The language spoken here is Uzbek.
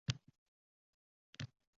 Ikki yashar «xalq dushmanlari»…